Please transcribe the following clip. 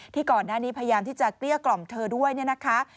ก่อนหน้านี้พยายามที่จะเกลี้ยกล่อมเธอด้วยเนี่ยนะคะ